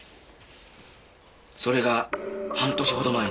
それが半年ほど前に。